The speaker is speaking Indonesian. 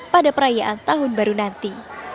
pada perayaan tahun baru nanti